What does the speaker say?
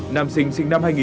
nam sinh sinh năm hai nghìn